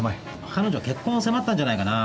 彼女は結婚を迫ったんじゃないかな。